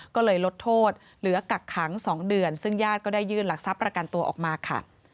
ก็เลยลดโทษเหลือกักขัง๒เดือนซึ่งญาติก็ได้ยื่นหลักทรัพย์ประกันตัวออกมาค่ะ